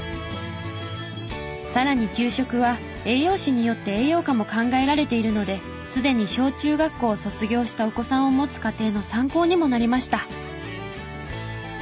さらに給食は栄養士によって栄養価も考えられているのですでに小・中学校を卒業したお子さんを持つ家庭の参考にもなりました。